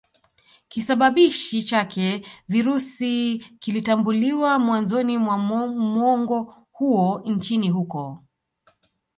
kisababishi chake Virusi kilitambuliwa mwanzoni mwa muongo huo nchini huko